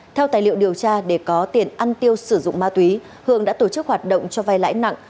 theo tài liệu điều tra để có tiền ăn tiêu sử dụng ma túy hường đã tổ chức hoạt động cho vai lãi nặng